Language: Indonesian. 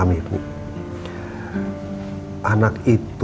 aku bisa tempel palsu ini bu